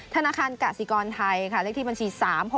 ธนาคารกาศิกรไทยค่ะเลขที่บัญชี๓๖๖๒๕๖๐๖๖๘